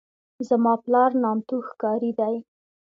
زما پلار نامتو ښکاري دی.